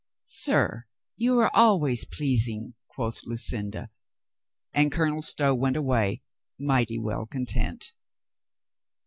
"Sir, you are always pleasing," quoth Lucinda, and Colonel Stow went away mighty well content.